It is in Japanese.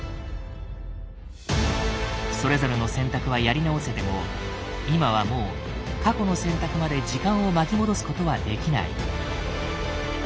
それぞれの選択はやり直せても今はもう過去の選択まで時間を巻き戻すことはできない。